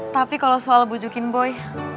tapi kalau soal bujukin boy